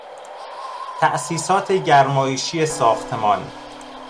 تاسیسات گرمایشی ساختمان